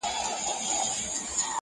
تا ته د جلاد له سره خنجره زندان څه ویل.!